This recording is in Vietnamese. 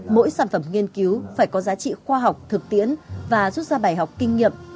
mỗi sản phẩm nghiên cứu phải có giá trị khoa học thực tiễn và rút ra bài học kinh nghiệm